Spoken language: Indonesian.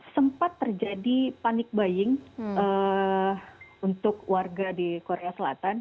sempat terjadi panik buying untuk warga di korea selatan